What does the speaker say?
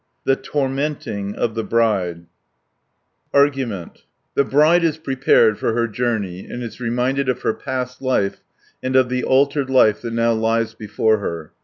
THE TORMENTING OF THE BRIDE Argument The bride is prepared for her journey and is reminded of her past life and of the altered life that now lies before her (1 124).